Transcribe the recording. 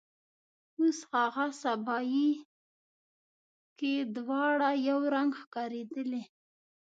او هاغه سبایي کې دواړه یو رنګ ښکاریدلې